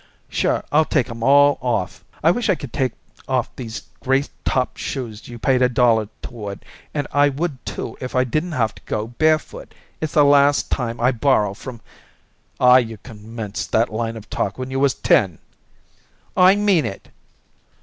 Sure I'll take 'em all off. I wish I could take off these gray top shoes you paid a dollar toward, and I would, too, if I didn't have to go barefoot. It's the last time I borrow from " "Aw, you commenced that line of talk when you was ten." "I mean it."